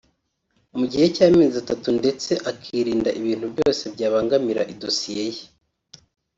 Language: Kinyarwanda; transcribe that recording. mu gihe cy’amezi atatu ndetse akirinda ibintu byose byabangamira idosiye ye